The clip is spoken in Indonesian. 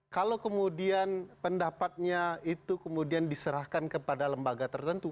kalau kemudian pendapatnya itu kemudian diserahkan kepada lembaga tertentu